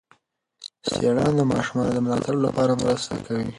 څېړنه د ماشومانو د ملاتړ لپاره مرسته کوي.